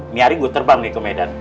nyari gua terbang nih ke medan